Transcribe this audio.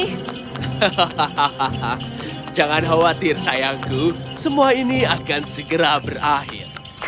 hahaha jangan khawatir sayangku semua ini akan segera berakhir